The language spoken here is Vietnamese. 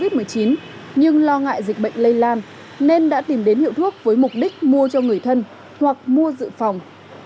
tôi đã mua thuốc điều trị covid một mươi chín nhưng lo ngại dịch bệnh lây lan nên đã tìm đến hiệu thuốc với mục đích mua cho người thân hoặc mua dự phòng